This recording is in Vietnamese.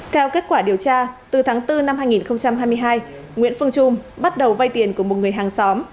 theo kết quả điều tra từ tháng bốn năm hai nghìn hai mươi hai nguyễn phương trung bắt đầu vay tiền của một người hàng xóm